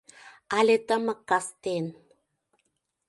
Але тымык кастен